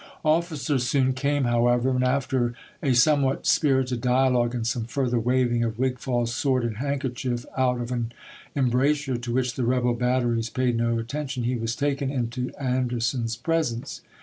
pp. 162, ik. Officers soon came, however, and after a some what spirited dialogue, and some further waving of Wigfall's sword and handkerchief out of an em brasure, to which the rebel batteries paid no atten tion, he was taken into Anderson's presence.